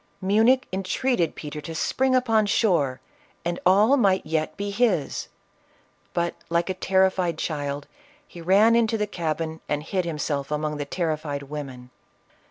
Munich entreated Peter to spring upon shore, and all might yet be his; but, like a terrified child, he ran into the cabin and hid himself among the terrified women.